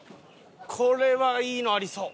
これはいいのありそう。